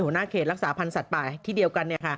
หัวหน้าเขตรักษาพันธ์สัตว์ป่าที่เดียวกัน